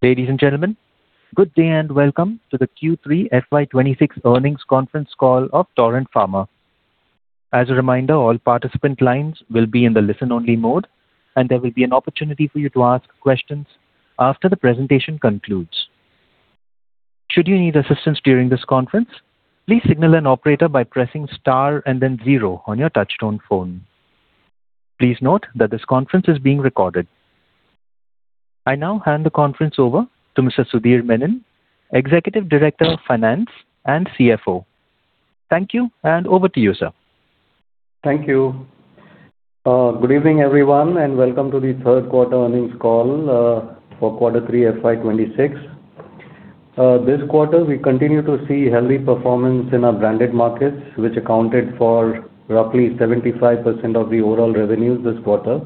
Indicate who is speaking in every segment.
Speaker 1: Ladies and gentlemen, good day, and welcome to the Q3 FY26 Earnings Conference Call of Torrent Pharma. As a reminder, all participant lines will be in the listen-only mode, and there will be an opportunity for you to ask questions after the presentation concludes. Should you need assistance during this conference, please signal an operator by pressing Star and then zero on your touchtone phone. Please note that this conference is being recorded. I now hand the conference over to Mr. Sudhir Menon, Executive Director of Finance and CFO. Thank you, and over to you, sir.
Speaker 2: Thank you. Good evening, everyone, and welcome to the Third Quarter Earnings Call for Quarter Three FY 2026. This quarter, we continue to see healthy performance in our branded markets, which accounted for roughly 75% of the overall revenues this quarter.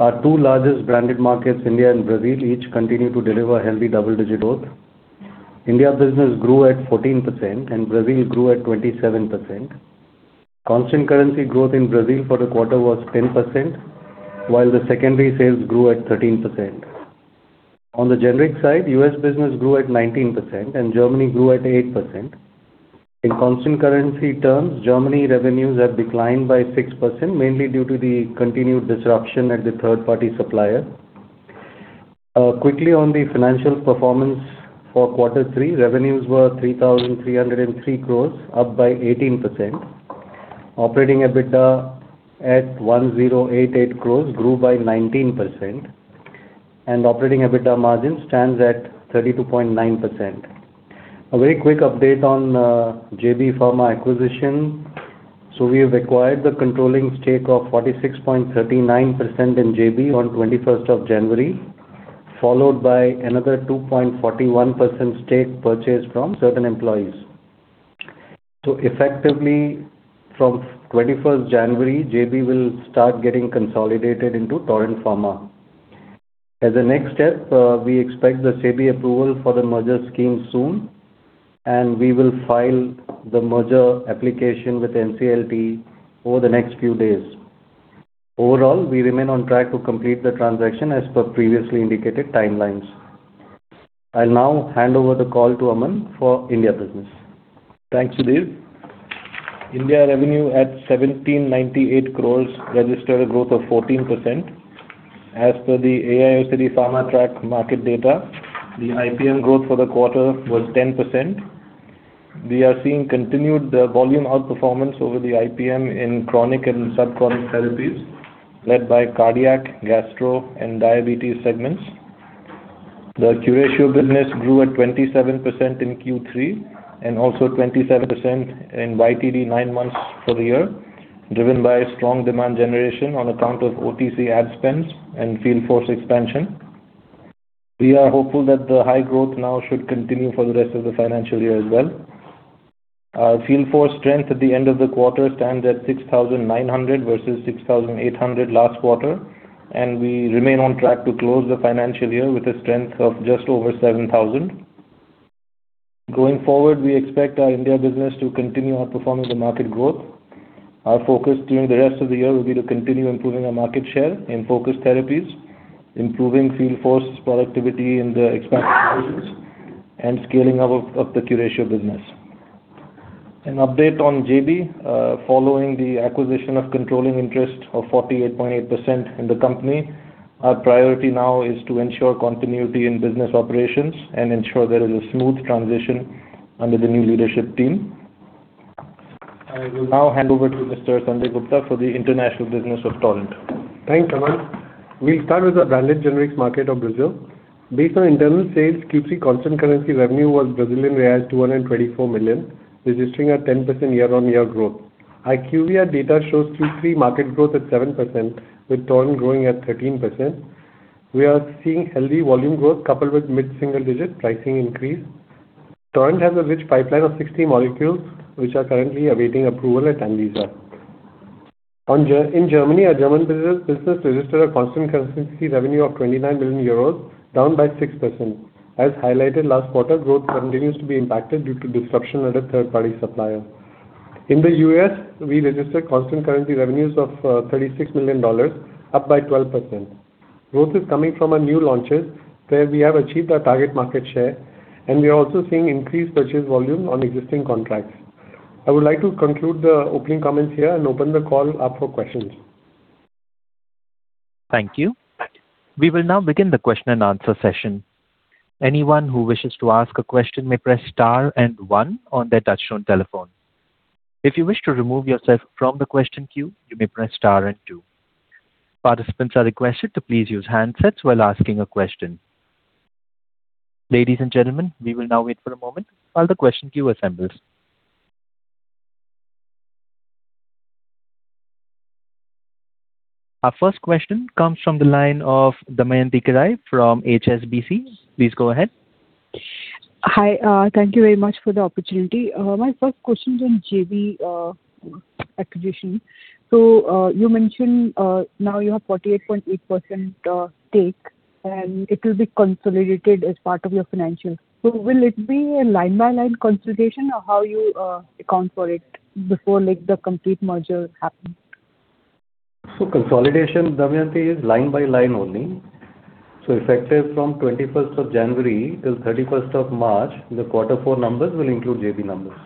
Speaker 2: Our two largest branded markets, India and Brazil, each continue to deliver healthy double-digit growth. India business grew at 14% and Brazil grew at 27%. Constant currency growth in Brazil for the quarter was 10%, while the secondary sales grew at 13%. On the generic side, US business grew at 19% and Germany grew at 8%. In constant currency terms, Germany revenues have declined by 6%, mainly due to the continued disruption at the third-party supplier. Quickly on the financial performance for quarter three, revenues were 3,303 crore, up by 18%. Operating EBITDA at 1,088 crore grew by 19%, and operating EBITDA margin stands at 32.9%. A very quick update on JB Pharma acquisition. So we have acquired the controlling stake of 46.39% in JB on twenty-first of January, followed by another 2.41% stake purchased from certain employees. So effectively, from 21st January, JB will start getting consolidated into Torrent Pharma. As a next step, we expect the SEBI approval for the merger scheme soon, and we will file the merger application with NCLT over the next few days. Overall, we remain on track to complete the transaction as per previously indicated timelines. I'll now hand over the call to Aman for India business.
Speaker 3: Thanks, Sudhir. India revenue at 1,798 crore registered a growth of 14%. As per the AIOCD PharmaTrac market data, the IPM growth for the quarter was 10%. We are seeing continued volume outperformance over the IPM in chronic and subchronic therapies, led by cardiac, gastro, and diabetes segments. The Curatio business grew at 27% in Q3 and also 27% in YTD nine months for the year, driven by strong demand generation on account of OTC ad spends and field force expansion. We are hopeful that the high growth now should continue for the rest of the financial year as well. Our field force strength at the end of the quarter stands at 6,900 versus 6,800 last quarter, and we remain on track to close the financial year with a strength of just over 7,000. Going forward, we expect our India business to continue outperforming the market growth. Our focus during the rest of the year will be to continue improving our market share in focus therapies, improving field force productivity in the expansion, and scaling up the Curatio business. An update on JB. Following the acquisition of controlling interest of 48.8% in the company, our priority now is to ensure continuity in business operations and ensure there is a smooth transition under the new leadership team. I will now hand over to Mr. Sanjay Gupta for the international business of Torrent.
Speaker 4: Thanks, Aman. We'll start with the branded generics market of Brazil. Based on internal sales, Q3 constant currency revenue was Brazilian reais 224 million, registering a 10% year-on-year growth. IQVIA data shows Q3 market growth at 7%, with Torrent growing at 13%. We are seeing healthy volume growth coupled with mid-single-digit pricing increase. Torrent has a rich pipeline of 60 molecules, which are currently awaiting approval at ANVISA. In Germany, our German business registered a constant currency revenue of 29 million euros, down 6%. As highlighted last quarter, growth continues to be impacted due to disruption at a third-party supplier. In the US, we registered constant currency revenues of $36 million, up 12%. Growth is coming from our new launches, where we have achieved our target market share, and we are also seeing increased purchase volume on existing contracts. I would like to conclude the opening comments here and open the call up for questions.
Speaker 1: Thank you. We will now begin the question-and-answer session. Anyone who wishes to ask a question may press Star and one on their touchtone telephone. If you wish to remove yourself from the question queue, you may press Star and two. Participants are requested to please use handsets while asking a question. Ladies and gentlemen, we will now wait for a moment while the question queue assembles. Our first question comes from the line of Damayanti Kerai from HSBC. Please go ahead.
Speaker 5: Hi, thank you very much for the opportunity. My first question is on JB acquisition. So, you mentioned now you have 48.8% stake, and it will be consolidated as part of your financials. So will it be a line-by-line consolidation or how you account for it before, like, the complete merger happens? ...
Speaker 4: Consolidation, Damayanti, is line by line only. Effective from 21st of January till 31st of March, the quarter four numbers will include JB numbers.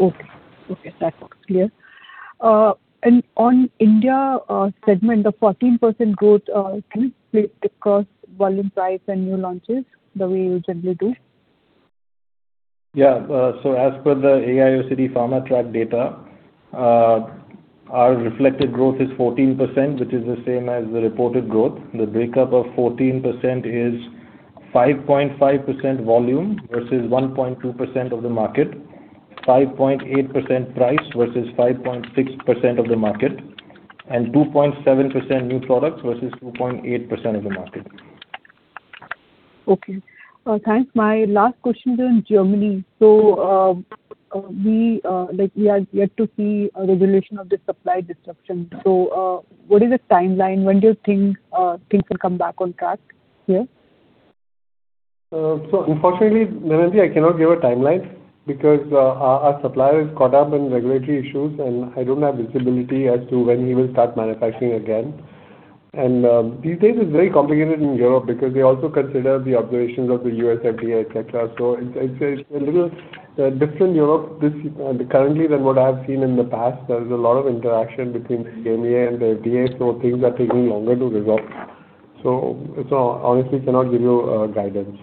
Speaker 5: Okay. Okay, that's clear. And on India segment, the 14% growth, can you split it across volume, price, and new launches, the way you generally do?
Speaker 4: Yeah. So as per the AIOCD PharmaTrac data, our reflected growth is 14%, which is the same as the reported growth. The breakup of 14% is 5.5% volume versus 1.2% of the market, 5.8% price versus 5.6% of the market, and 2.7% new products versus 2.8% of the market.
Speaker 5: Okay, thanks. My last question is on Germany. So, like we are yet to see a resolution of the supply disruption. So, what is the timeline? When do you think things will come back on track here?
Speaker 4: So unfortunately, Damayanti, I cannot give a timeline because our supplier is caught up in regulatory issues, and I don't have visibility as to when he will start manufacturing again. These days it's very complicated in Europe because they also consider the observations of the US FDA, et cetera. So it's a little different Europe this currently than what I have seen in the past. There's a lot of interaction between the EMA and the FDA, so things are taking longer to resolve. So honestly, cannot give you guidance.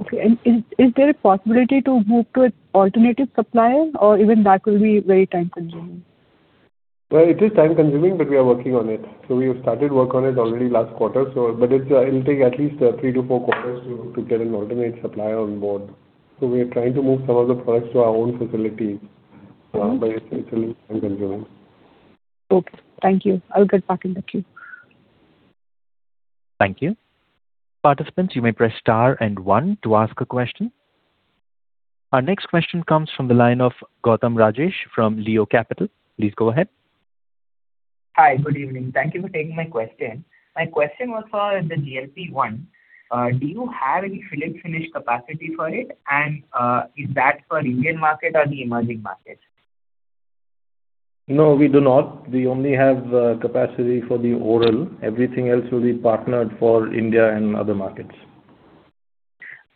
Speaker 5: Okay. Is there a possibility to move to an alternative supplier, or even that will be very time-consuming?
Speaker 4: Well, it is time-consuming, but we are working on it. So we have started work on it already last quarter, so... But it's, it'll take at least three-four quarters to get an alternate supplier on board. So we are trying to move some of the products to our own facility, but it's time-consuming.
Speaker 5: Okay, thank you. I'll get back in the queue.
Speaker 1: Thank you. Participants, you may press star and one to ask a question. Our next question comes from the line of Gautam Rajesh from Leo Capital. Please go ahead.
Speaker 6: Hi. Good evening. Thank you for taking my question. My question was for the GLP-1. Do you have any fill and finish capacity for it? And, is that for Indian market or the emerging markets?
Speaker 4: No, we do not. We only have capacity for the oral. Everything else will be partnered for India and other markets.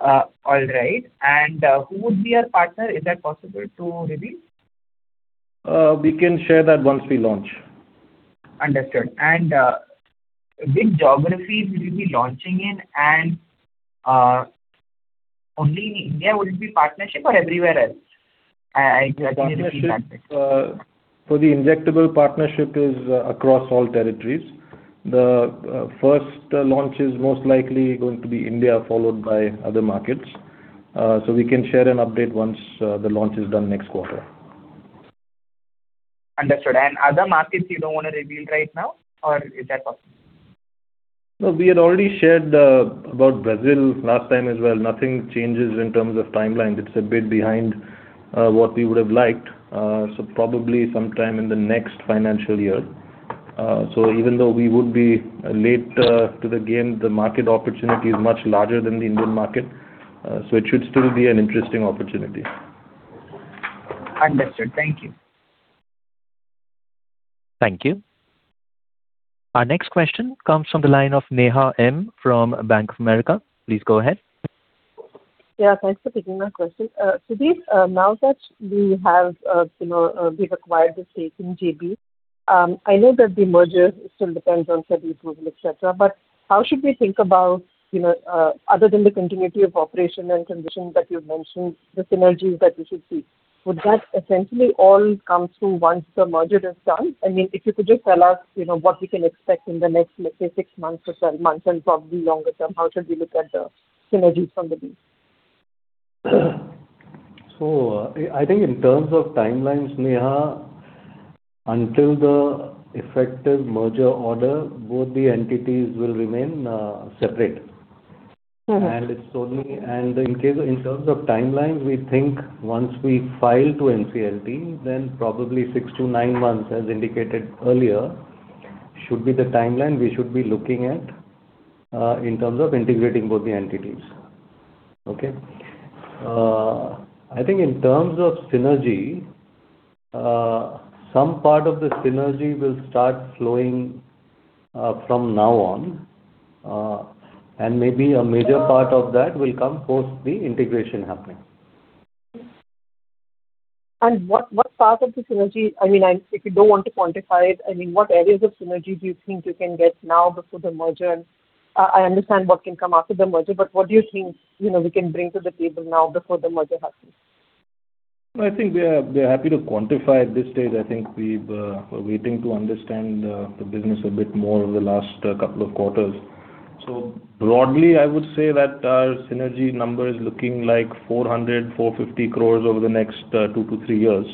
Speaker 6: All right. And, who would be your partner? Is that possible to reveal?
Speaker 4: We can share that once we launch.
Speaker 6: Understood. And, which geographies will you be launching in, and only in India will it be partnership or everywhere else?
Speaker 4: Partnership for the injectable partnership is across all territories. The first launch is most likely going to be India, followed by other markets. So we can share an update once the launch is done next quarter.
Speaker 6: Understood. And other markets you don't want to reveal right now, or is that possible?
Speaker 4: No, we had already shared about Brazil last time as well. Nothing changes in terms of timelines. It's a bit behind what we would have liked, so probably sometime in the next financial year. So even though we would be late to the game, the market opportunity is much larger than the Indian market, so it should still be an interesting opportunity.
Speaker 6: Understood. Thank you.
Speaker 1: Thank you. Our next question comes from the line of Neha M. from Bank of America. Please go ahead.
Speaker 7: Yeah, thanks for taking my question. So these, now that we have, you know, we've acquired the stake in JB, I know that the merger still depends on SEBI approval, et cetera, but how should we think about, you know, other than the continuity of operation and conditions that you've mentioned, the synergies that we should see? Would that essentially all come through once the merger is done? I mean, if you could just tell us, you know, what we can expect in the next, let's say, six months or 12 months and probably longer term, how should we look at the synergies from the deal?
Speaker 4: I think in terms of timelines, Neha, until the effective merger order, both the entities will remain separate.
Speaker 7: Mm-hmm.
Speaker 4: In terms of timelines, we think once we file to NCLT, then probably six-nine months, as indicated earlier, should be the timeline we should be looking at, in terms of integrating both the entities. Okay? I think in terms of synergy, some part of the synergy will start flowing from now on, and maybe a major part of that will come post the integration happening.
Speaker 7: And what part of the synergy, I mean, and if you don't want to quantify it, I mean, what areas of synergy do you think you can get now before the merger? I understand what can come after the merger, but what do you think, you know, we can bring to the table now before the merger happens?
Speaker 4: I think we are happy to quantify at this stage. I think we've, we're waiting to understand the business a bit more over the last couple of quarters. So broadly, I would say that our synergy number is looking like 400-450 crores over the next two-three years.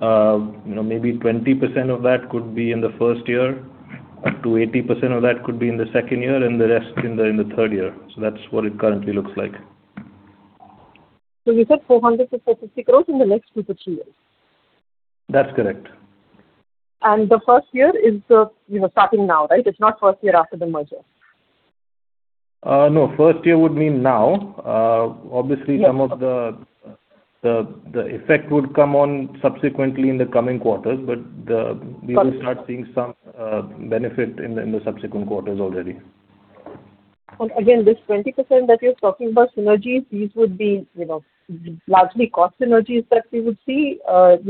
Speaker 4: You know, maybe 20% of that could be in the first year, up to 80% of that could be in the second year, and the rest in the third year. So that's what it currently looks like.
Speaker 7: You said 400 crore-450 crore in the next two-three years?
Speaker 4: That's correct.
Speaker 7: The first year is, you know, starting now, right? It's not first year after the merger. ...
Speaker 4: No, first year would mean now. Obviously some of the effect would come on subsequently in the coming quarters, but the-
Speaker 8: Under-
Speaker 4: We will start seeing some benefit in the subsequent quarters already.
Speaker 8: Again, this 20% that you're talking about synergies, these would be, you know, largely cost synergies that we would see,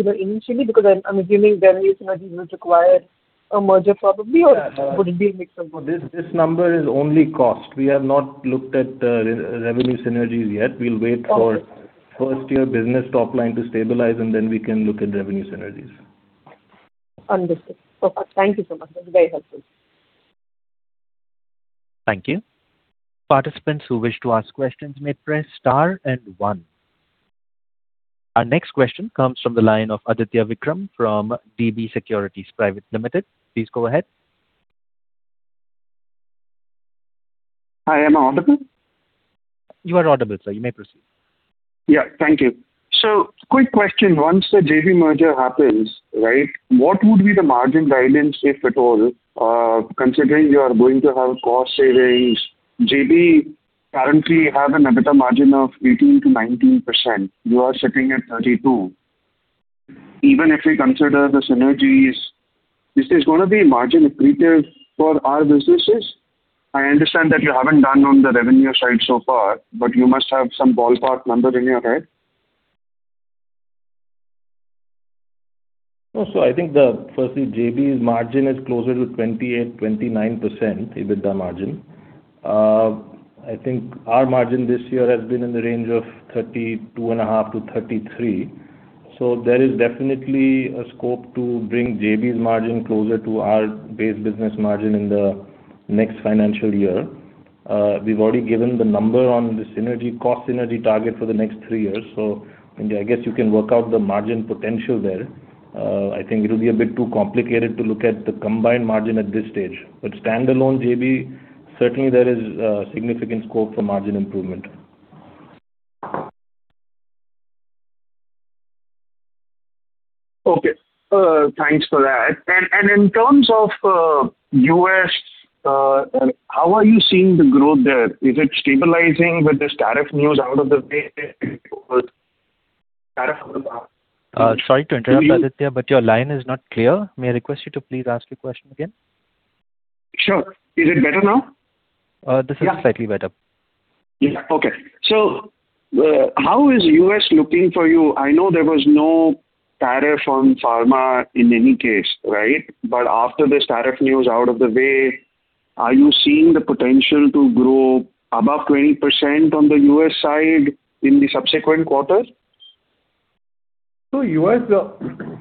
Speaker 8: you know, initially, because I'm assuming revenue synergies would require a merger probably, or would it be a mixture?
Speaker 4: This number is only cost. We have not looked at the revenue synergies yet. We'll wait for-
Speaker 8: Okay.
Speaker 4: First year business top line to stabilize, and then we can look at revenue synergies.
Speaker 8: Understood. Perfect. Thank you so much. That's very helpful.
Speaker 1: Thank you. Participants who wish to ask questions may press star and one. Our next question comes from the line of Aditya Vikram from DB Securities Private Limited. Please go ahead.
Speaker 9: Hi, am I audible?
Speaker 1: You are audible, sir. You may proceed.
Speaker 9: Yeah, thank you. So quick question, once the JB merger happens, right, what would be the margin guidance, if at all, considering you are going to have cost savings? JB currently have an EBITDA margin of 18%-19%. You are sitting at 32. Even if we consider the synergies, is this gonna be margin accretive for our businesses? I understand that you haven't done on the revenue side so far, but you must have some ballpark number in your head.
Speaker 4: No. So I think the, firstly, JB's margin is closer to 28-29% EBITDA margin. I think our margin this year has been in the range of 32.5-33. So there is definitely a scope to bring JB's margin closer to our base business margin in the next financial year. We've already given the number on the synergy, cost synergy target for the next three years. So I guess you can work out the margin potential there. I think it'll be a bit too complicated to look at the combined margin at this stage. But standalone JB, certainly there is significant scope for margin improvement.
Speaker 9: Okay. Thanks for that. And in terms of U.S., how are you seeing the growth there? Is it stabilizing with this tariff news out of the way? Tariff-
Speaker 1: Sorry to interrupt you, Aditya, but your line is not clear. May I request you to please ask the question again?
Speaker 9: Sure. Is it better now?
Speaker 1: This is-
Speaker 9: Yeah.
Speaker 1: -slightly better.
Speaker 9: Yeah. Okay. So, how is U.S. looking for you? I know there was no tariff on pharma in any case, right? But after this tariff news out of the way, are you seeing the potential to grow above 20% on the U.S. side in the subsequent quarters?
Speaker 4: So, U.S.,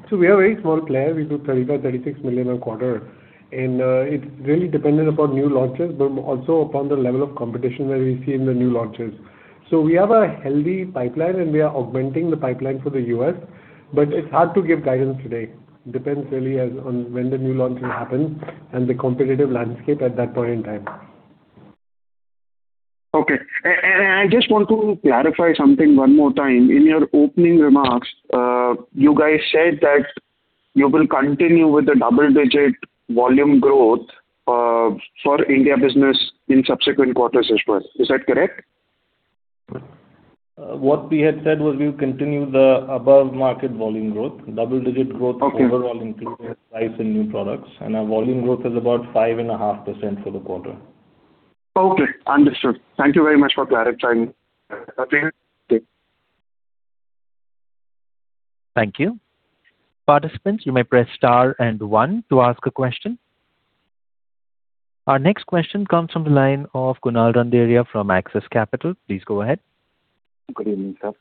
Speaker 4: so we are a very small player. We do $30 million-$36 million a quarter, and it's really dependent upon new launches, but also upon the level of competition that we see in the new launches. So we have a healthy pipeline, and we are augmenting the pipeline for the U.S., but it's hard to give guidance today. Depends really on when the new launches happen and the competitive landscape at that point in time.
Speaker 9: Okay. I just want to clarify something one more time. In your opening remarks, you guys said that you will continue with the double-digit volume growth for India business in subsequent quarters as well. Is that correct?
Speaker 4: What we had said was we'll continue the above-market volume growth. Double-digit growth-
Speaker 9: Okay.
Speaker 4: Overall, including price and new products, and our volume growth is about 5.5% for the quarter.
Speaker 9: Okay, understood. Thank you very much for clarifying.
Speaker 1: Thank you. Participants, you may press star and one to ask a question. Our next question comes from the line of Kunal Randeria from Axis Capital. Please go ahead.
Speaker 8: Good evening, sir.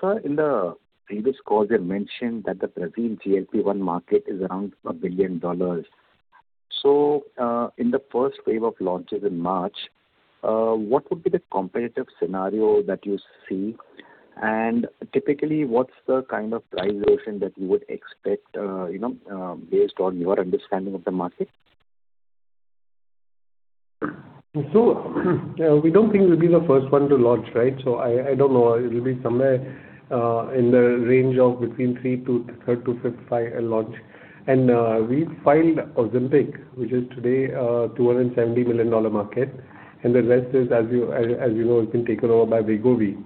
Speaker 8: Sir, in the previous call, you mentioned that the Brazilian GLP-1 market is around $1 billion. So, in the first wave of launches in March, what would be the competitive scenario that you see? And typically, what's the kind of price version that you would expect, you know, based on your understanding of the market?
Speaker 4: So, we don't think we'll be the first one to launch, right? So I don't know. It'll be somewhere in the range of between third to fifth by launch. And we filed Ozempic, which is today, a $270 million market, and the rest is, as you know, it's been taken over by Wegovy.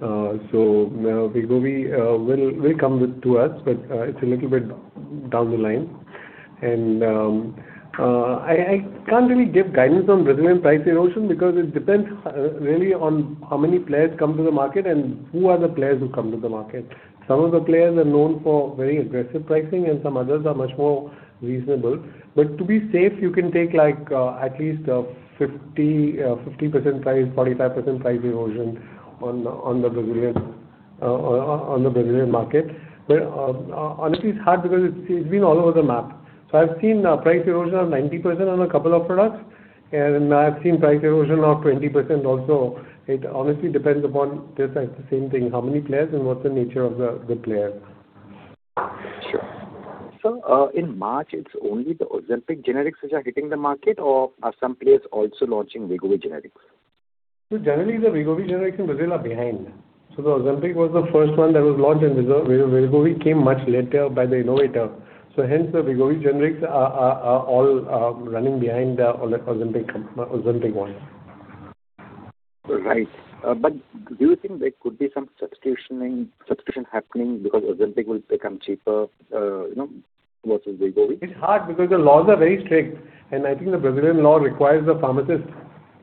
Speaker 4: So now Wegovy will come to us, but it's a little bit down the line. And I can't really give guidance on resilient price erosion, because it depends really on how many players come to the market and who are the players who come to the market. Some of the players are known for very aggressive pricing, and some others are much more reasonable. But to be safe, you can take, like, at least 50, 50% price, 45% price erosion on the Brazilian market. But honestly, it's hard because it's been all over the map. So I've seen a price erosion of 90% on a couple of products, and I've seen price erosion of 20% also. It honestly depends upon the same thing, how many players and what's the nature of the player?
Speaker 8: Sure. Sir, in March, it's only the Ozempic generics which are hitting the market, or are some players also launching Wegovy generics? ...
Speaker 4: So generally, the Wegovy generics in Brazil are behind. So the Ozempic was the first one that was launched, and Wegovy came much later by the innovator. So hence, the Wegovy generics are all running behind on the Ozempic one.
Speaker 8: Right. But do you think there could be some substitution happening because Ozempic will become cheaper, you know, versus Wegovy?
Speaker 4: It's hard because the laws are very strict, and I think the Brazilian law requires the pharmacist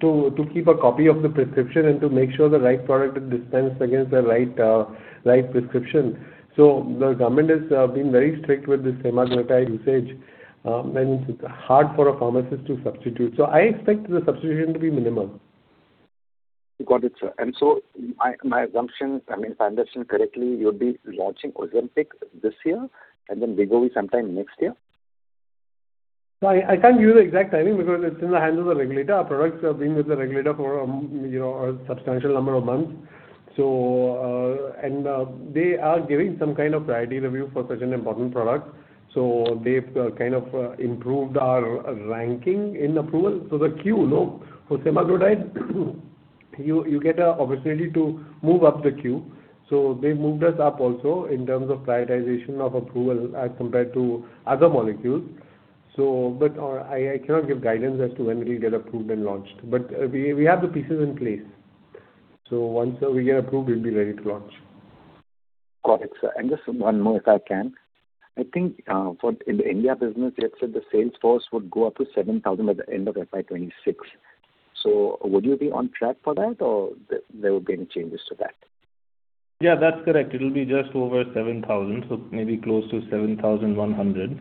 Speaker 4: to keep a copy of the prescription and to make sure the right product is dispensed against the right prescription. So the government has been very strict with this semaglutide usage, and it's hard for a pharmacist to substitute. So I expect the substitution to be minimal.
Speaker 8: Got it, sir. And so my assumption, I mean, if I understand correctly, you'll be launching Ozempic this year and then Wegovy sometime next year?
Speaker 4: I can't give you the exact timing because it's in the hands of the regulator. Our products have been with the regulator for, you know, a substantial number of months. So, they are giving some kind of priority review for such an important product. So they've kind of improved our ranking in approval. So the queue, you know, for Semaglutide, you get an opportunity to move up the queue. So they moved us up also in terms of prioritization of approval as compared to other molecules. But I cannot give guidance as to when it'll get approved and launched. But we have the pieces in place. So once we get approved, we'll be ready to launch.
Speaker 8: Got it, sir. And just one more, if I can. I think, for in the India business, you had said the sales force would go up to 7,000 by the end of FY 2026. So would you be on track for that, or there would be any changes to that?
Speaker 4: Yeah, that's correct. It'll be just over 7,000, so maybe close to 7,100.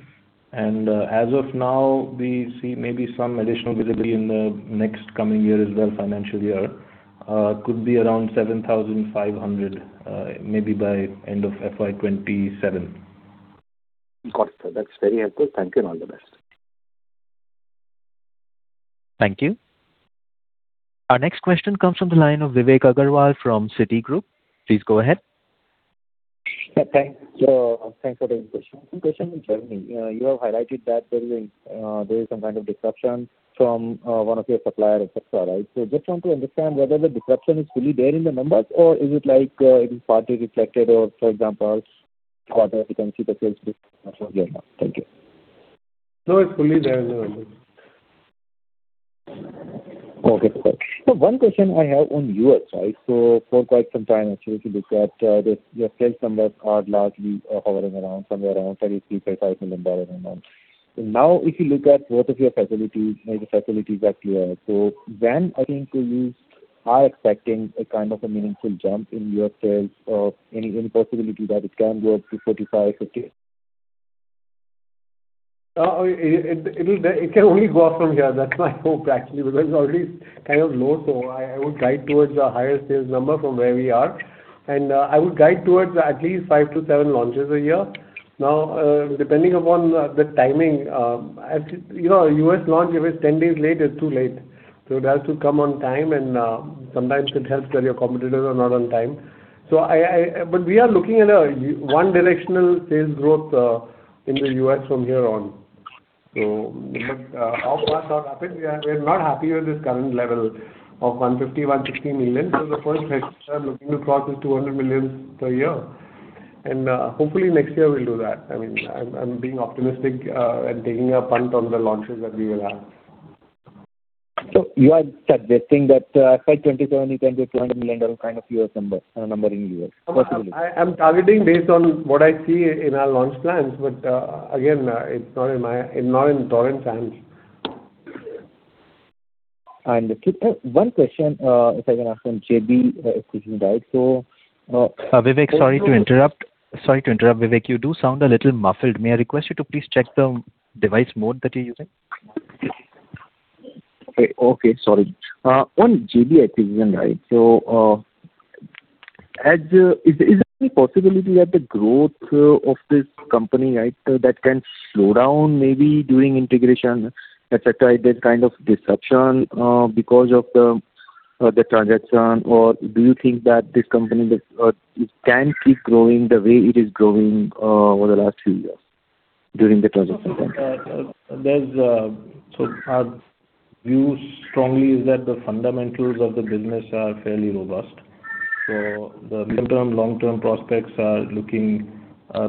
Speaker 4: And, as of now, we see maybe some additional visibility in the next coming year as well, financial year. Could be around 7,500, maybe by end of FY 2027.
Speaker 8: Got it, sir. That's very helpful. Thank you, and all the best.
Speaker 1: Thank you. Our next question comes from the line of Vivek Agarwal from Citigroup. Please go ahead.
Speaker 10: Thank you. Thanks for taking the question. One question on Germany. You have highlighted that there is some kind of disruption from one of your suppliers, et cetera, right? So just want to understand whether the disruption is fully there in the numbers, or is it like it is partly reflected or, for example, quarter you can see the sales mix from there now. Thank you.
Speaker 4: No, it's fully there in the numbers.
Speaker 10: Okay, perfect. So one question I have on U.S., right? So for quite some time, actually, if you look at this, your sales numbers are largely hovering around somewhere around $33-$35 million a month. So now, if you look at both of your facilities, maybe facilities are clear. So when are you expecting a kind of a meaningful jump in your sales or any possibility that it can go up to $45, $50?
Speaker 4: It can only go up from here. That's my hope, actually, because it's already kind of low. So I would guide towards a higher sales number from where we are, and I would guide towards at least 5-7 launches a year. Now, depending upon the timing, actually, you know, a US launch, if it's 10 days late, it's too late. So it has to come on time, and sometimes it helps when your competitors are not on time. But we are looking at a one directional sales growth in the US from here on. But how fast, how rapid? We're not happy with this current level of $150-$160 million. So the first half, we are looking to cross this $200 million per year. Hopefully next year we'll do that. I mean, I'm being optimistic and taking a punt on the launches that we will have.
Speaker 10: You are suggesting that by 2027, you can get $200 million kind of US number, number in US?
Speaker 4: I'm targeting based on what I see in our launch plans, but again, it's not in Torrent's hands.
Speaker 10: One question, if I can ask on JB acquisition, right? So,
Speaker 1: Vivek, sorry to interrupt. Sorry to interrupt, Vivek. You do sound a little muffled. May I request you to please check the device mode that you're using?
Speaker 10: Okay, okay, sorry. On JB acquisition, right? So, is there any possibility that the growth of this company, right, that can slow down maybe during integration, et cetera, et cetera, that kind of disruption because of the transaction? Or do you think that this company it can keep growing the way it is growing over the last few years during the transition time?
Speaker 4: So our view strongly is that the fundamentals of the business are fairly robust. So the midterm, long-term prospects are looking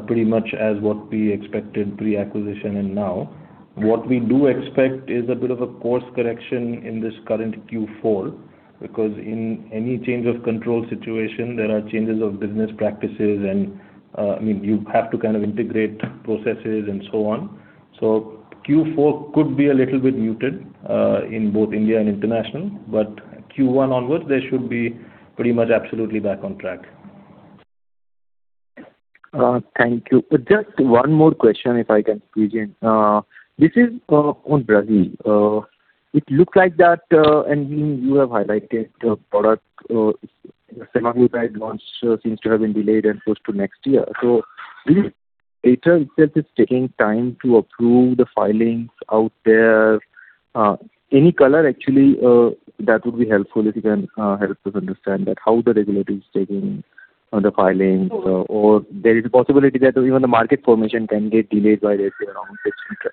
Speaker 4: pretty much as what we expected pre-acquisition and now. What we do expect is a bit of a course correction in this current Q4, because in any change of control situation, there are changes of business practices and, I mean, you have to kind of integrate processes and so on. So Q4 could be a little bit muted in both India and international, but Q1 onwards, they should be pretty much absolutely back on track.
Speaker 10: Thank you. Just one more question, if I can, please. This is on Brazil. It looks like that, and you have highlighted the product, Semaglutide launch seems to have been delayed and close to next year. So do you... ANVISA itself is taking time to approve the filings out there. Any color actually that would be helpful if you can help us understand that, how the regulator is taking the filings, or there is a possibility that even the market formation can get delayed by this, around this time?...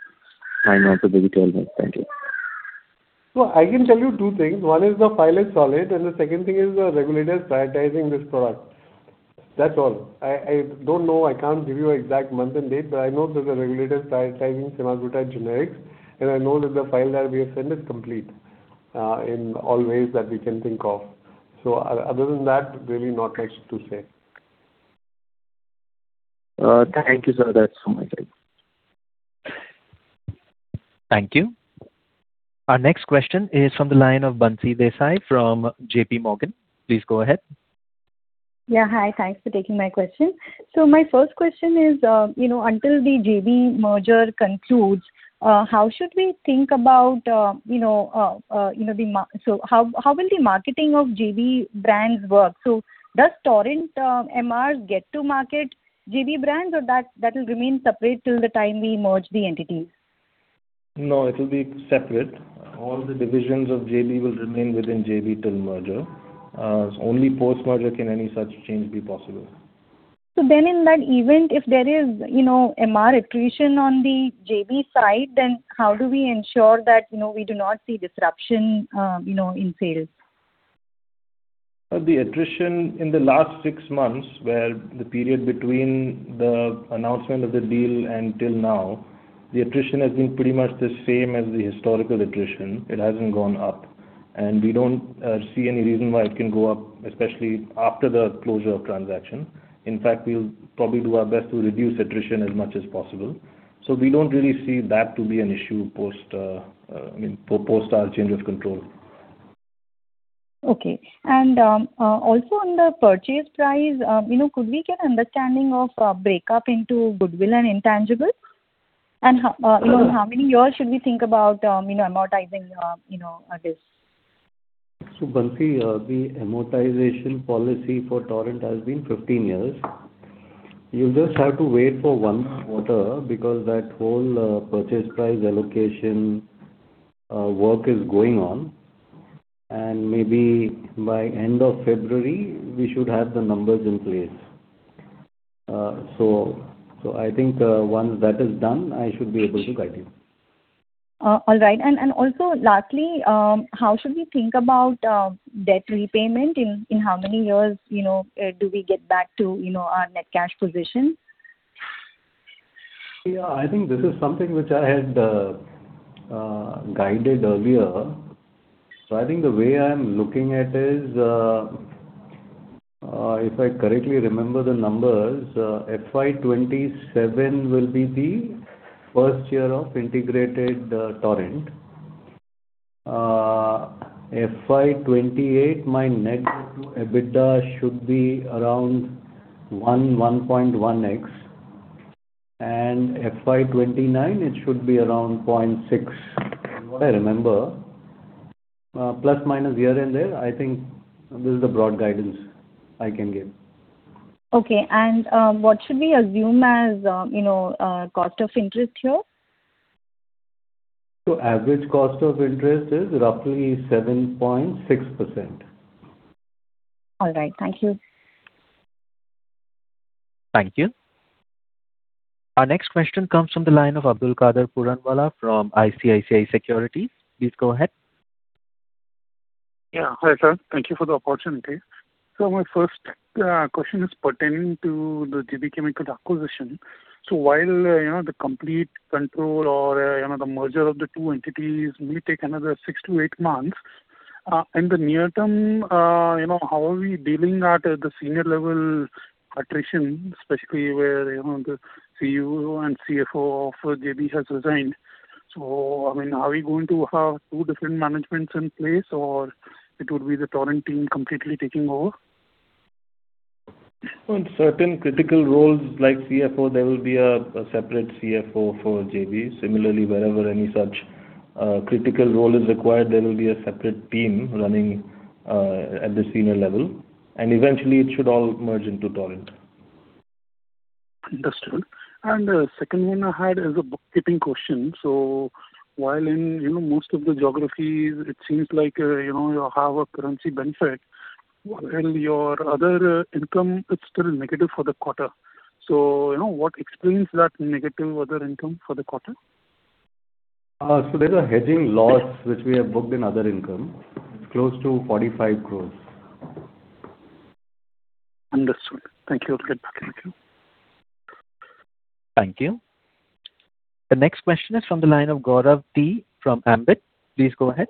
Speaker 10: I know the details. Thank you.
Speaker 4: So I can tell you two things. One is the file is solid, and the second thing is the regulator is prioritizing this product. That's all. I don't know, I can't give you an exact month and date, but I know that the regulator is prioritizing semaglutide generics, and I know that the file that we have sent is complete, in all ways that we can think of. So other than that, really not much to say.
Speaker 10: Thank you, sir. That's all I said.
Speaker 1: Thank you. Our next question is from the line of Bansi Desai from JPMorgan. Please go ahead.
Speaker 11: Yeah, hi. Thanks for taking my question. So my first question is, you know, until the JB merger concludes, how should we think about, you know, So how will the marketing of JB brands work? So does Torrent MRs get to market JB brands, or that will remain separate till the time we merge the entities?
Speaker 4: No, it will be separate. All the divisions of JB will remain within JB till merger. Only post-merger can any such change be possible.
Speaker 11: So then in that event, if there is, you know, MR attrition on the JB side, then how do we ensure that, you know, we do not see disruption, you know, in sales?
Speaker 4: The attrition in the last six months, where the period between the announcement of the deal and till now, the attrition has been pretty much the same as the historical attrition. It hasn't gone up, and we don't see any reason why it can go up, especially after the closure of transaction. In fact, we'll probably do our best to reduce attrition as much as possible. So we don't really see that to be an issue post, I mean, post our change of control.
Speaker 11: Okay. And also on the purchase price, you know, could we get an understanding of breakup into goodwill and intangibles? And you know, how many years should we think about, you know, amortizing, you know, this?
Speaker 4: Bansee, the amortization policy for Torrent has been 15 years. You just have to wait for one quarter, because that whole purchase price allocation work is going on, and maybe by end of February, we should have the numbers in place. So, I think, once that is done, I should be able to guide you.
Speaker 11: All right. And also, lastly, how should we think about debt repayment, in how many years, you know, do we get back to, you know, our net cash position?
Speaker 4: Yeah, I think this is something which I had guided earlier. So I think the way I am looking at it is, if I correctly remember the numbers, FY 2027 will be the first year of integrated Torrent. FY 2028, my net EBITDA should be around 1.1x, and FY 2029, it should be around 0.6. From what I remember, ± here and there, I think this is the broad guidance I can give.
Speaker 11: Okay. What should we assume as, you know, cost of interest here?
Speaker 4: Average cost of interest is roughly 7.6%.
Speaker 11: All right. Thank you.
Speaker 1: Thank you. Our next question comes from the line of Abdulkader Puranwala from ICICI Securities. Please go ahead.
Speaker 12: Yeah. Hi, sir. Thank you for the opportunity. So my first question is pertaining to the JB Chemicals acquisition. So while, you know, the complete control or, you know, the merger of the two entities may take another six to eight months, in the near term, you know, how are we dealing at the senior level attrition, especially where, you know, the CEO and CFO of JB has resigned? So, I mean, are we going to have two different managements in place, or it would be the Torrent team completely taking over?
Speaker 4: On certain critical roles, like CFO, there will be a separate CFO for JB. Similarly, wherever any such critical role is required, there will be a separate team running at the senior level, and eventually it should all merge into Torrent.
Speaker 12: Understood. The second one I had is a bookkeeping question. So while in, you know, most of the geographies, it seems like, you know, you have a currency benefit, and your other income is still negative for the quarter. So, you know, what explains that negative other income for the quarter?
Speaker 4: There's a hedging loss which we have booked in other income. It's close to 45 crore.
Speaker 12: Understood. Thank you. I'll get back to you.
Speaker 1: Thank you. The next question is from the line of Gaurav T from Ambit. Please go ahead.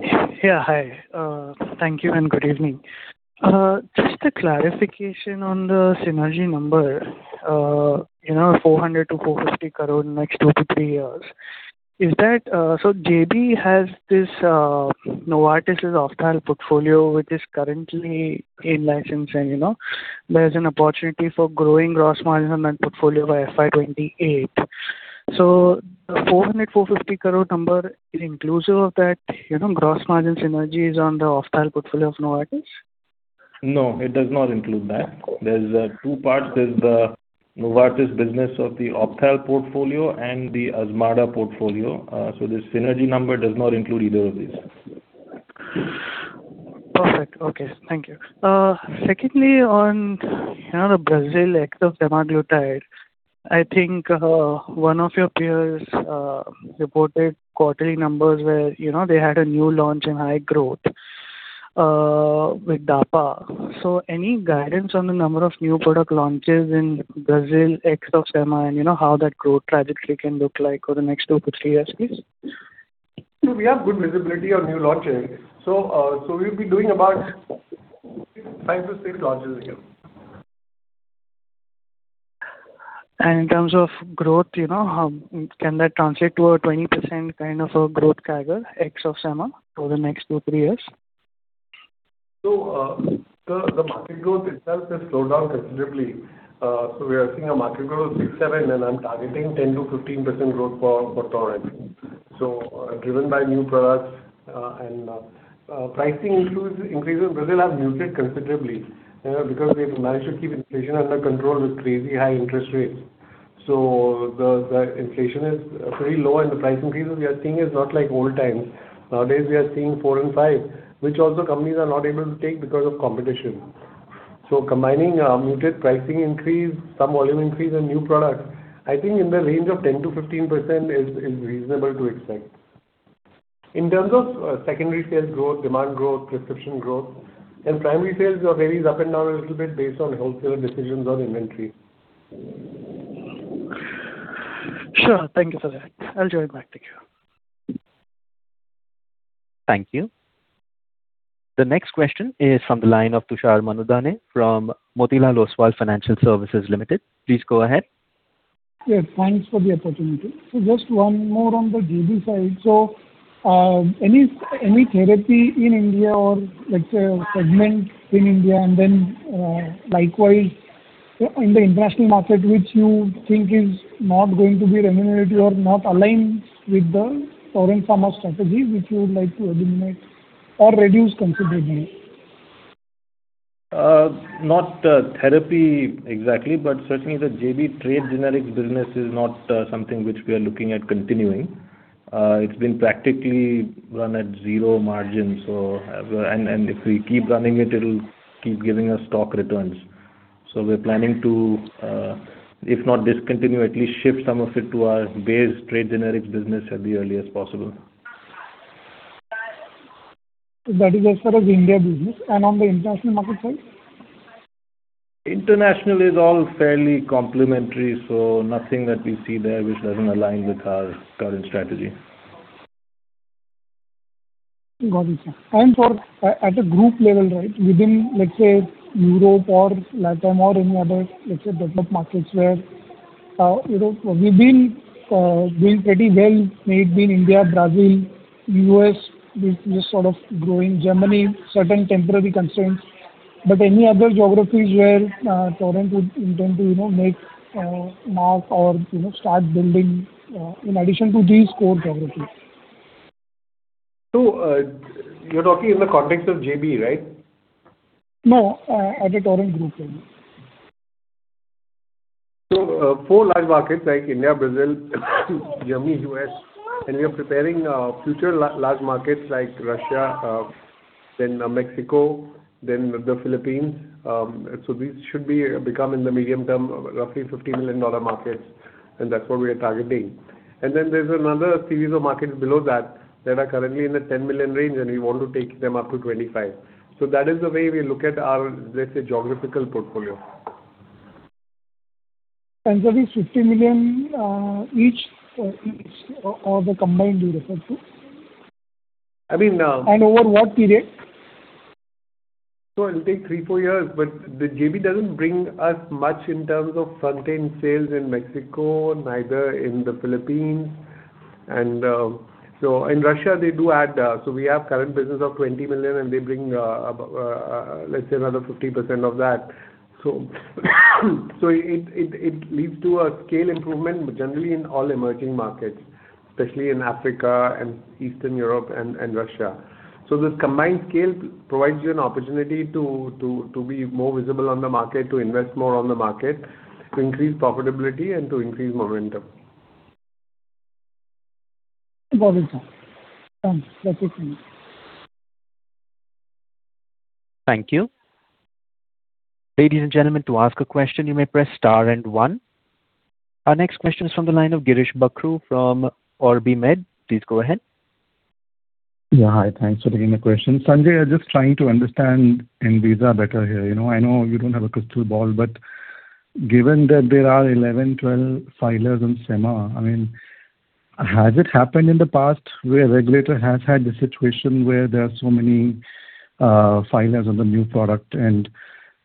Speaker 13: Yeah, hi. Thank you and good evening. Just a clarification on the synergy number, you know, 400 crore-450 crore in the next two to three years. Is that... So J.B. has this, Novartis' ophthalmo portfolio, which is currently in license, and, you know, there's an opportunity for growing gross margin on that portfolio by FY 2028. So the 400-450 crore number is inclusive of that, you know, gross margin synergies on the ophthalmo portfolio of Novartis?
Speaker 4: No, it does not include that. There's two parts. There's the Novartis business of the ophthalmo portfolio and the Azmarda portfolio. So this synergy number does not include either of these....
Speaker 13: Perfect. Okay, thank you. Secondly, on, you know, the Brazil ex of Semaglutide, I think, one of your peers reported quarterly numbers where, you know, they had a new launch and high growth with DAPA. So any guidance on the number of new product launches in Brazil ex of SEMA, and you know, how that growth trajectory can look like over the next two to three years, please?
Speaker 4: So we have good visibility on new launches. So we'll be doing about 5-6 launches again.
Speaker 13: In terms of growth, you know, how can that translate to a 20% kind of a growth CAGR ex of SEMA for the next two-threeyears?
Speaker 4: So, the market growth itself has slowed down considerably. We are seeing a market growth of 6%-7%, and I'm targeting 10%-15% growth for Torrent. Driven by new products, and pricing includes increases. Brazil has muted considerably, because we've managed to keep inflation under control with crazy high interest rates. The inflation is very low, and the price increases we are seeing is not like old times. Nowadays we are seeing 4%-5%, which also companies are not able to take because of competition. Combining, muted pricing increase, some volume increase and new products, I think in the range of 10%-15% is reasonable to expect. In terms of, secondary sales growth, demand growth, prescription growth, and primary sales varies up and down a little bit based on wholesaler decisions on inventory.
Speaker 13: Sure. Thank you for that. I'll join back. Thank you.
Speaker 1: Thank you. The next question is from the line of Tushar Manudhane from Motilal Oswal Financial Services Limited. Please go ahead.
Speaker 14: Yeah, thanks for the opportunity. So just one more on the JB side. So, any therapy in India or, let's say, segment in India, and then, likewise, in the international market, which you think is not going to be remunerative or not aligned with the Torrent Pharma strategy, which you would like to eliminate or reduce considerably?
Speaker 4: Not therapy exactly, but certainly the JB trade generics business is not something which we are looking at continuing. It's been practically run at zero margin, so... And if we keep running it, it'll keep giving us stock returns. So we're planning to, if not discontinue, at least shift some of it to our branded trade generics business as early as possible.
Speaker 14: That is as far as India business. On the international market side?
Speaker 4: International is all fairly complementary, so nothing that we see there which doesn't align with our current strategy.
Speaker 14: Got it, sir. And for at a group level, right, within, let's say, Europe or Latam or in other, let's say, developed markets where, you know, we've been doing pretty well, maybe in India, Brazil, U.S., this sort of growing, Germany, certain temporary constraints, but any other geographies where Torrent would intend to, you know, make mark or, you know, start building in addition to these core geographies?
Speaker 4: So, you're talking in the context of JB, right?
Speaker 14: No, at the Torrent Group level.
Speaker 4: So, four large markets like India, Brazil, Germany, US, and we are preparing, future large markets like Russia, then Mexico, then the Philippines. So these should be, become in the medium term, roughly $50 million markets, and that's what we are targeting. And then there's another series of markets below that, that are currently in the $10 million range, and we want to take them up to $25 million. So that is the way we look at our, let's say, geographical portfolio.
Speaker 14: These 50 million, each or the combined you refer to?
Speaker 4: I mean,
Speaker 14: Over what period?
Speaker 4: So it'll take three-four years, but the JB doesn't bring us much in terms of front-end sales in Mexico, neither in the Philippines. So in Russia, they do add, so we have current business of $20 million, and they bring, let's say another 50% of that. So, so it, it, it leads to a scale improvement, but generally in all emerging markets, especially in Africa and Eastern Europe and, and Russia. So this combined scale provides you an opportunity to, to, to be more visible on the market, to invest more on the market, to increase profitability and to increase momentum.
Speaker 14: Got it, sir. That's it, thank you.
Speaker 1: Thank you. Ladies and gentlemen, to ask a question, you may press star and one. Our next question is from the line of Girish Bakhru from OrbiMed. Please go ahead.
Speaker 15: Yeah. Hi, thanks for taking the question. Sanjay, I'm just trying to understand ANVISA better here. You know, I know you don't have a crystal ball, but given that there are 11, 12 filers in SEMA, I mean, has it happened in the past where regulator has had the situation where there are so many filers on the new product? And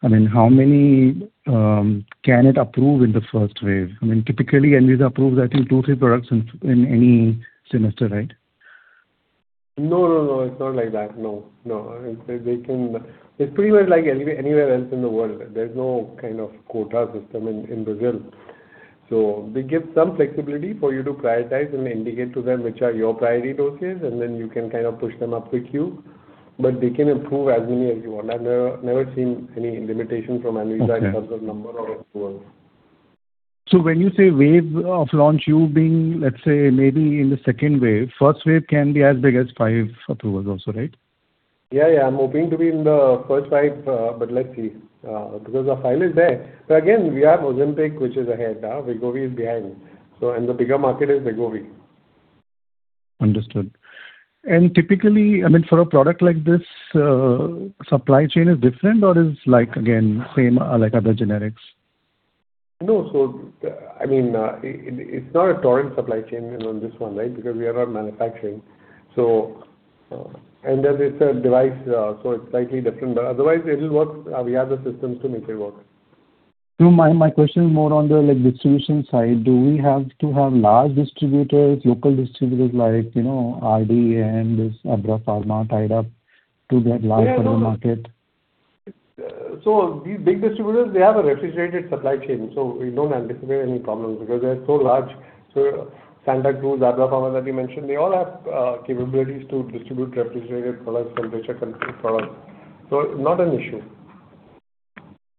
Speaker 15: I mean, how many can it approve in the first wave? I mean, typically, ANVISA approves, I think, two, three products in any semester, right?
Speaker 4: No, no, no, it's not like that. No, no, they can. It's pretty much like anywhere else in the world. There's no kind of quota system in Brazil. So they give some flexibility for you to prioritize and indicate to them which are your priority doses, and then you can kind of push them up the queue, but they can approve as many as you want. I've never seen any limitation from ANVISA in terms of number or approval....
Speaker 15: So when you say wave of launch, you being, let's say, maybe in the second wave, first wave can be as big as five approvals also, right?
Speaker 4: Yeah, yeah. I'm hoping to be in the first five, but let's see, because the file is there. But again, we have Ozempic, which is ahead. Wegovy is behind, so and the bigger market is Wegovy.
Speaker 15: Understood. Typically, I mean, for a product like this, supply chain is different or is like, again, same like other generics?
Speaker 4: No. So, I mean, it's not a Torrent supply chain on this one, right? Because we are not manufacturing. So, and then it's a device, so it's slightly different, but otherwise it will work. We have the systems to make it work.
Speaker 15: So my question is more on the, like, distribution side. Do we have to have large distributors, local distributors, like, you know, RD and this Abrafarma tied up to get live in the market?
Speaker 4: So these big distributors, they have a refrigerated supply chain, so we don't anticipate any problems because they're so large. So Santa Cruz Group, Abrafarma that you mentioned, they all have capabilities to distribute refrigerated products, temperature controlled products, so not an issue.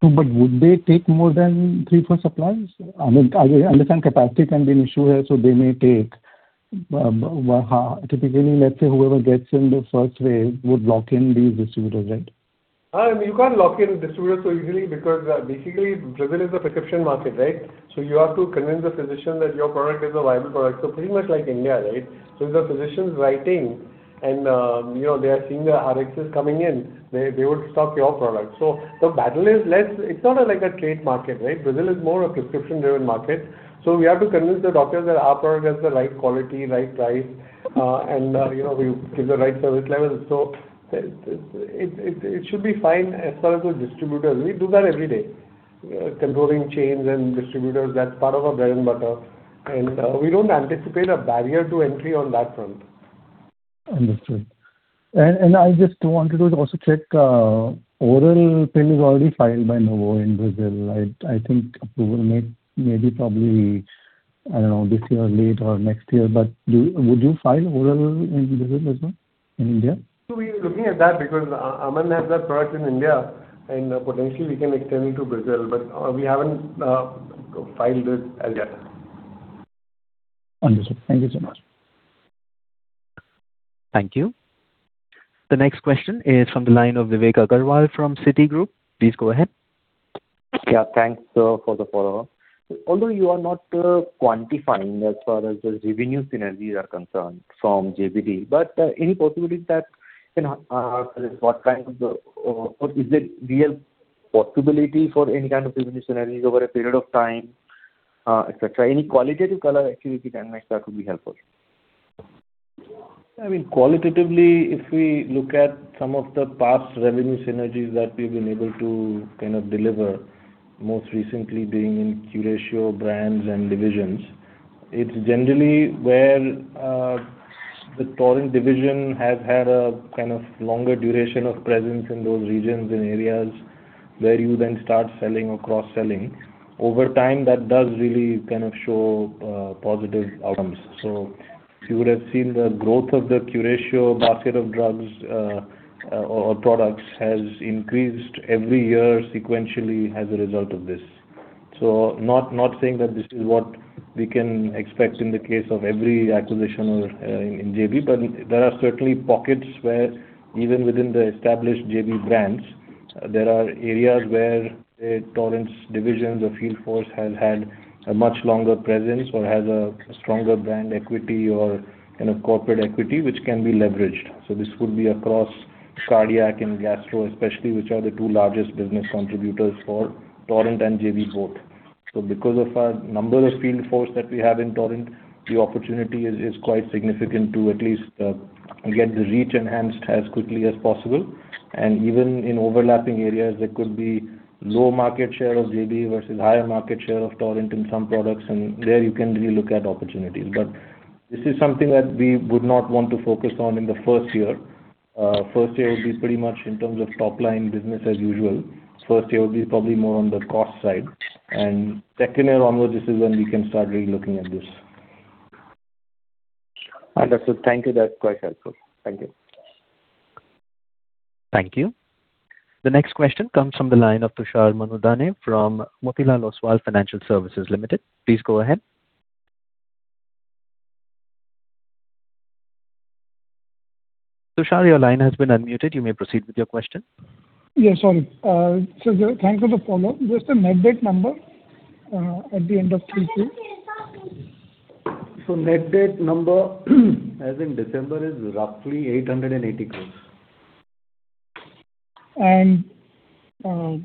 Speaker 15: But would they take more than three for supplies? I mean, I understand capacity can be an issue here, so they may take, typically, let's say, whoever gets in the first wave would lock in these distributors, right?
Speaker 4: You can't lock in distributors so easily because basically Brazil is a prescription market, right? So you have to convince the physician that your product is a viable product. So pretty much like India, right? So if the physician's writing and you know, they are seeing the RXs coming in, they would stock your product. So the battle is less. It's not a like a trade market, right? Brazil is more a prescription-driven market. So we have to convince the doctors that our product has the right quality, right price, and you know, we give the right service level. So it should be fine as far as the distributors. We do that every day, controlling chains and distributors, that's part of our bread and butter, and we don't anticipate a barrier to entry on that front.
Speaker 15: Understood. I just wanted to also check, oral pill is already filed by Novo in Brazil. I think approval may be probably, I don't know, this year late or next year, but do you, would you file oral in Brazil as well, in India?
Speaker 4: So we're looking at that because Aman has that product in India, and potentially we can extend it to Brazil, but we haven't filed it as yet.
Speaker 15: Understood. Thank you so much.
Speaker 1: Thank you. The next question is from the line of Vivek Agarwal from Citigroup. Please go ahead.
Speaker 10: Yeah, thanks for the follow-up. Although you are not quantifying as far as the revenue synergies are concerned from JB, but any possibilities that, you know, what kind of the... or, or is there real possibility for any kind of revenue synergies over a period of time, et cetera? Any qualitative color actually we can make that could be helpful.
Speaker 4: I mean, qualitatively, if we look at some of the past revenue synergies that we've been able to kind of deliver, most recently being in Curatio brands and divisions, it's generally where the Torrent division has had a kind of longer duration of presence in those regions and areas, where you then start selling or cross-selling. Over time, that does really kind of show positive outcomes. So if you would have seen the growth of the Curatio basket of drugs or products, has increased every year sequentially as a result of this. So not, not saying that this is what we can expect in the case of every acquisition or, in JB, but there are certainly pockets where even within the established JB brands, there are areas where the Torrent's divisions or field force has had a much longer presence or has a stronger brand equity or kind of corporate equity, which can be leveraged. So this could be across cardiac and gastro especially, which are the two largest business contributors for Torrent and JB both. So because of our number of field force that we have in Torrent, the opportunity is quite significant to at least get the reach enhanced as quickly as possible. And even in overlapping areas, there could be low market share of JB versus higher market share of Torrent in some products, and there you can really look at opportunities. This is something that we would not want to focus on in the first year. First year would be pretty much in terms of top-line business as usual. First year would be probably more on the cost side, and second year onwards, this is when we can start really looking at this.
Speaker 10: Understood. Thank you. That's quite helpful. Thank you.
Speaker 1: Thank you. The next question comes from the line of Tushar Manudhane from Motilal Oswal Financial Services Limited. Please go ahead. Tushar, your line has been unmuted. You may proceed with your question.
Speaker 14: Yeah, sorry. So thank you for the follow-up. Just a net debt number at the end of three three.
Speaker 4: Net debt number, as in December, is roughly 880 crores.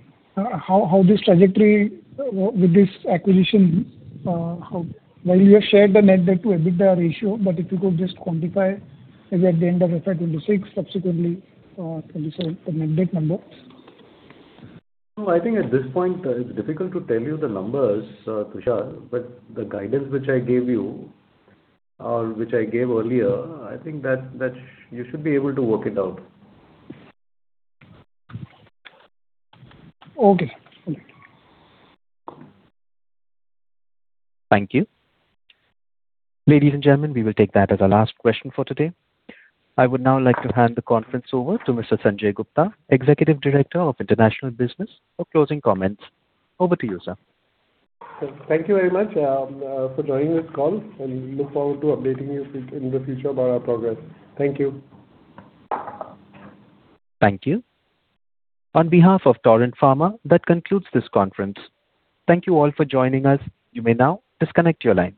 Speaker 14: How this trajectory with this acquisition... Well, you have shared the net debt-to-EBITDA ratio, but if you could just quantify as at the end of FY 2026, subsequently, 2027, the net debt numbers.
Speaker 4: No, I think at this point, it's difficult to tell you the numbers, Tushar, but the guidance which I gave you, or which I gave earlier, I think that, that you should be able to work it out.
Speaker 14: Okay. All right.
Speaker 1: Thank you. Ladies and gentlemen, we will take that as our last question for today. I would now like to hand the conference over to Mr. Sanjay Gupta, Executive Director of International Business, for closing comments. Over to you, sir.
Speaker 4: Thank you very much for joining this call, and we look forward to updating you in the future about our progress. Thank you.
Speaker 1: Thank you. On behalf of Torrent Pharma, that concludes this conference. Thank you all for joining us. You may now disconnect your lines.